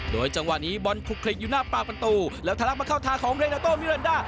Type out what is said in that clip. โดยจังหวะนี้บอลคลุกคลิกอยู่หน้าปากประตูแล้วทะลักมาเข้าทางของเรนาโตมิรันดา